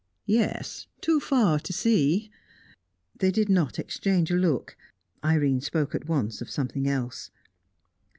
"Yes; too far to see." They did not exchange a look. Irene spoke at once of something else.